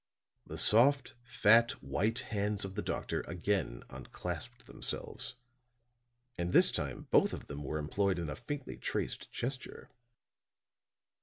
The soft, fat, white hands of the doctor again unclasped themselves; and this time both of them were employed in a faintly traced gesture.